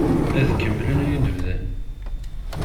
Ad kemmlen ayen i d-bdan?